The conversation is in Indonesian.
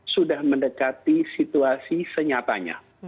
sudah mendekati situasi senyatanya